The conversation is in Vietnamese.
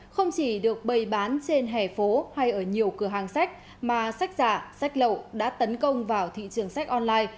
không chỉ được bày bán trên hè phố hay ở nhiều cửa hàng sách mà sách giả sách lậu đã tấn công vào thị trường sách online